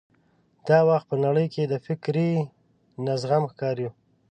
دا وخت په نړۍ کې د فکري نه زغم ښکار یو.